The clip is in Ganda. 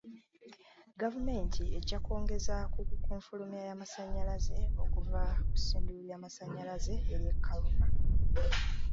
Gvaumenti ejja kwongeza ku nfulumya y'amasanyalaze okuva ku ssundiro ly'amasanyalaze ery'eKaruma.